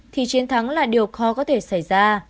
thì chiến thắng là điều khó có thể xảy ra